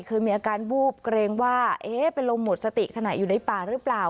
คือมีอาการวูบเกรงว่าเป็นลมหมดสติขณะอยู่ในป่าหรือเปล่า